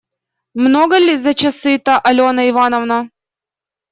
Много ль за часы-то, Алена Ивановна?